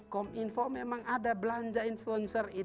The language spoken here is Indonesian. kom info memang ada belanja influencer